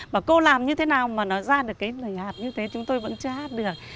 mà cô làm như thế nào mà nó ra được cái nảy hạt như thế chúng tôi vẫn chưa hát được